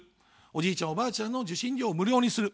おじいちゃん、おばあちゃんの受信料を無料にする。